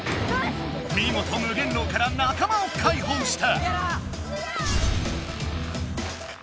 見事無限牢から仲間をかいほうした！